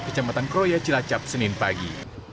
kecamatan kroya cilacap senin pagi